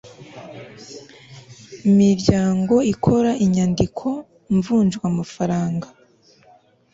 miryango ikora inyandiko mvunjwafaranga